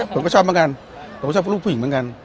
ผมก็ชอบเหมือนกันผมก็ชอบลูกผู้หญิงเหมือนกัน